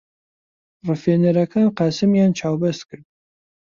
ڕفێنەرەکان قاسمیان چاوبەست کرد.